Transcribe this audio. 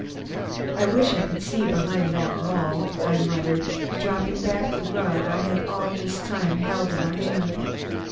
"I wish I could see behind that wall," I muttered, dropping back the rug I had all this time held in my hand.